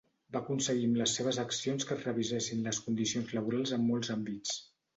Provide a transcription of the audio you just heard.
Va aconseguir amb les seves accions que es revisessin les condicions laborals en molts àmbits.